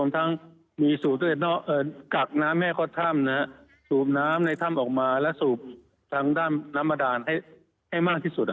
ทางด้านน้ำบดานให้มากที่สุด